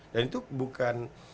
dan itu bukan